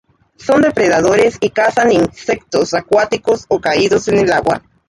Son depredadores y cazan insectos acuáticos o caídos en el agua.